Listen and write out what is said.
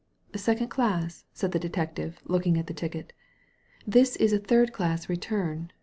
^ Second dass/' said the detective, looking at the ticket ; "this is a third class return.